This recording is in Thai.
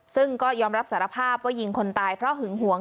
ซึ่งก็ยอมรับสารภาพว่ายิงคนตายเพราะหึงหวง